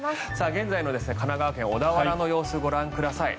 現在の神奈川県小田原の様子ご覧ください。